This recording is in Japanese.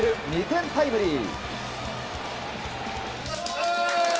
２点タイムリー！